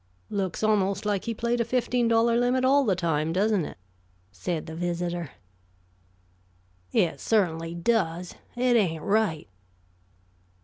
"Looks almost like he played a fifteen dollar limit all the time, doesn't it?" said the visitor. "It certainly does. It ain't right."